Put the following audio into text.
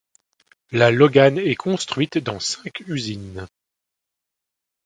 La Logan est construite dans cinq usines.